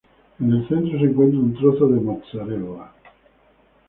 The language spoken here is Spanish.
En el centro se encuentra un trozo de "mozzarella".